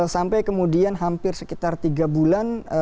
sampai kemudian hampir sekitar tiga bulan